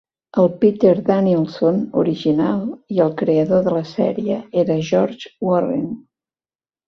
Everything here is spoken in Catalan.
El "Peter Danielson" original i el creador de la sèrie era George Warren.